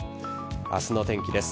明日の天気です。